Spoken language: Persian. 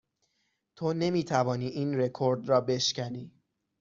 تو نمی توانی این رکورد را بشکنی.